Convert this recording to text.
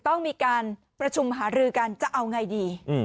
ต้องมีการประชุมหารือกันจะเอาไงดี